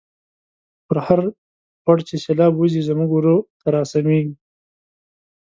په هرخوړ چی سیلاب وزی، زمونږ وره ته را سمیږی